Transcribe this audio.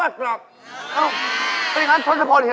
๑๐คน